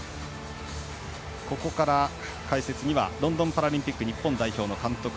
ここから解説にはロンドンパラリンピック日本代表監督